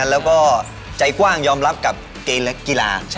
แล้วก็ใจกว้างยอมรับกับเกมและกีฬา